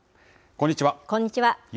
こんにちは。